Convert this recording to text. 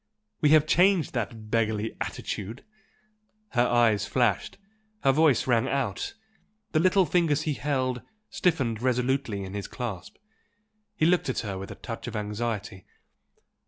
We have changed that beggarly attitude!" Her eyes flashed, her voice rang out the little fingers he held, stiffened resolutely in his clasp. He looked at her with a touch of anxiety.